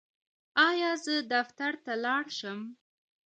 ایا زه دفتر ته لاړ شم؟